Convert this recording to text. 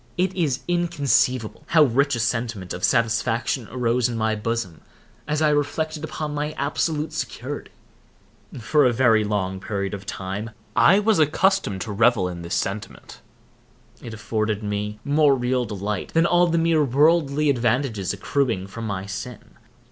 It is inconceivable how rich a sentiment of satisfaction arose in my bosom as I reflected upon my absolute security. For a very long period of time I was accustomed to revel in this sentiment. It afforded me more real delight than all the mere worldly advantages accruing from my sin.